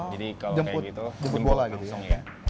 jadi kalau kayak gitu dipilih langsung